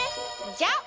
じゃあ。